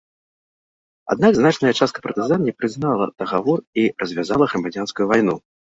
Аднак, значная частка партызан не прызнала дагавор і развязала грамадзянскую вайну.